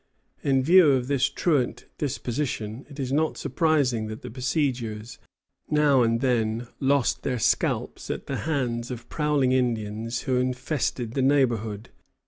In view of this truant disposition, it is not surprising that the besiegers now and then lost their scalps at the hands of prowling Indians who infested the neighborhood.